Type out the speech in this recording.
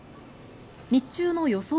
日中の予想